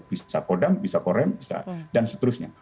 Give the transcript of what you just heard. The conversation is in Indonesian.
bisa kodam bisa korem dan seterusnya